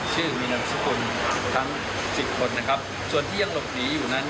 ซึ่งจากการสืบสดอบสวนแล้วปรากฏว่า